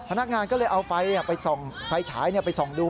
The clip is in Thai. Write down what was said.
พนักงานก็เลยเอาไฟไปส่องไฟฉายไปส่องดู